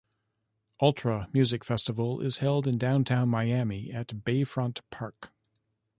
Ultra Music Festival is held in Downtown Miami at Bayfront Park.